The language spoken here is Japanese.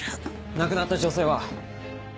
亡くなった女性は？